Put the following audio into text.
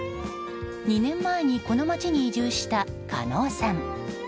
２年前に、この町に移住した加納さん。